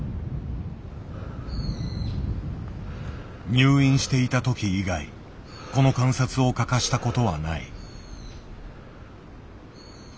入院していたとき以外この観察を欠かしたことはない。